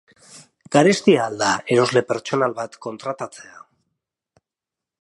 Garestia al da erosle pertsonal bat kontratatzea?